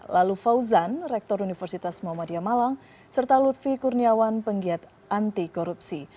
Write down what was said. lalu fauzan rektor universitas muhammadiyah malang serta lutfi kurniawan penggiat anti korupsi